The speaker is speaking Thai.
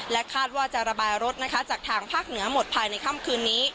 คาดว่าจะระบายรถนะคะจากทางภาคเหนือหมดภายในค่ำคืนนี้